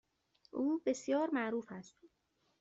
او بسیار معروف است.